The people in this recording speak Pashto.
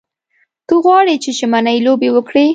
ته غواړې چې ژمنۍ لوبې وکړې.